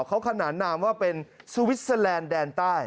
เขาขนานนามว่าเป็นสวิสเตอร์แลนด์แดนใต้